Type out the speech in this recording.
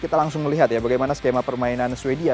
kita langsung melihat ya bagaimana skema permainan sweden